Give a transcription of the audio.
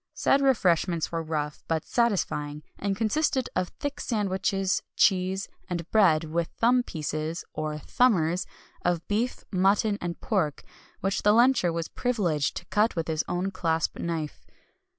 Said refreshments were rough, but satisfying, and consisted of thick sandwiches, cheese, and bread, with "thumb pieces" (or "thumbers") of beef, mutton, and pork, which the luncher was privileged to cut with his own clasp knife.